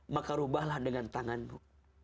maka rubahlah dengan tanganmu